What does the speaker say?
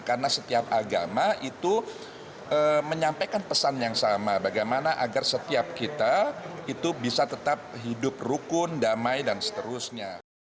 karena setiap agama itu menyampaikan pesan yang sama bagaimana agar setiap kita itu bisa tetap hidup rukun damai dan seterusnya